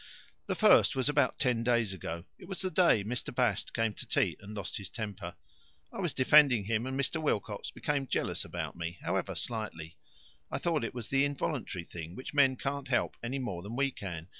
The 'first' was about ten days ago. It was the day Mr. Bast came to tea and lost his temper. I was defending him, and Mr. Wilcox became jealous about me, however slightly. I thought it was the involuntary thing, which men can't help any more than we can.